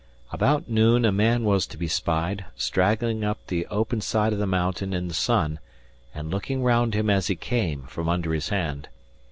About noon a man was to be spied, straggling up the open side of the mountain in the sun, and looking round him as he came, from under his hand.